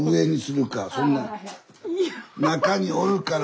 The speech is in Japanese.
中におるから。